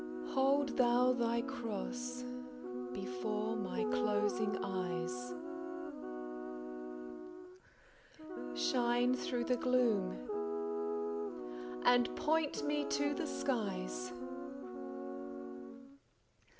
Hold Thou Thy Cross before my closing eyes, Shine through the gloom and point me to the skies.